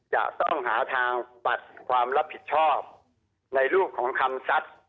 จะต้องหาทางปัดความรับผิดชอบในรูปของคำทรัพย์